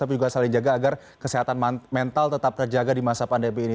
tapi juga saling jaga agar kesehatan mental tetap terjaga di masa pandemi ini